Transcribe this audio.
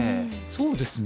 そうですね。